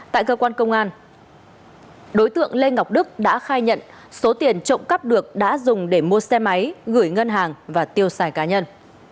tại cơ quan công an đối tượng lê ngọc đức đã khai nhận số tiền trộm cắp được đã dùng để mua xe máy gửi ngân hàng và tiêu xài cá nhân